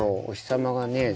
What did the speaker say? おひさまがね